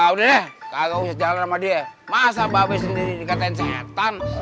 udah deh kalau lo bisa jalan sama dia masa babel sendiri dikatain syetan